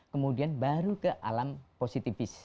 kemudian baru ke alam positifis